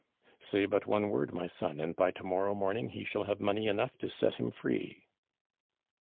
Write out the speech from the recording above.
"Say but one word, my son, and by to morrow morning he shall have money enough to set him free."